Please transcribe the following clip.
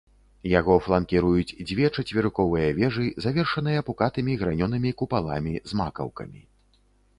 Яго фланкіруюць дзве чацверыковыя вежы, завершаныя пукатымі гранёнымі купаламі з макаўкамі.